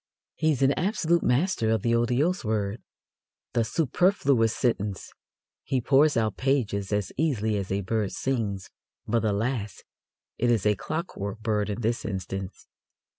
He is an absolute master of the otiose word, the superfluous sentence. He pours out pages as easily as a bird sings, but, alas! it is a clockwork bird in this instance.